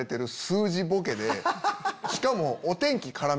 しかも。